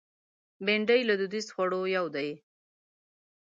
بېنډۍ له دودیزو خوړو یو دی